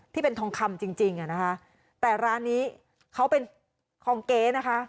ทองคำจริงจริงอ่ะนะคะแต่ร้านนี้เขาเป็นของเก๊นะคะ